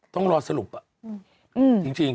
ต้องรอสรุปจริง